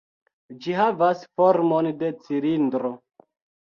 Ĝi havas formon de cilindro.